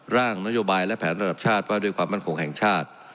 ร่างนโยบายและแผนระดับชาติว่าด้วยความมั่นคงแห่งชาติ